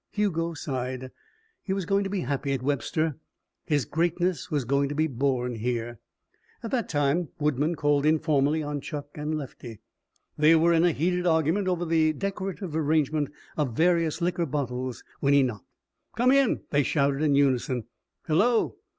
Hugo sighed. He was going to be happy at Webster. His greatness was going to be born here. At that time Woodman called informally on Chuck and Lefty. They were in a heated argument over the decorative arrangement of various liquor bottles when he knocked. "Come in!" they shouted in unison. "Hello!"